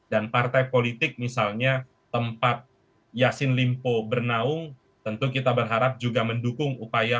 dan partai politik misalnya tempat yasin limpo bernaung tentu kita berharap juga mendukung upaya